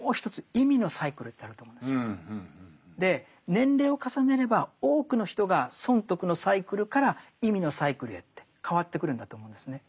年齢を重ねれば多くの人が損得のサイクルから意味のサイクルへって変わってくるんだと思うんですね。